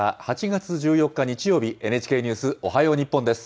８月１４日日曜日、ＮＨＫニュースおはよう日本です。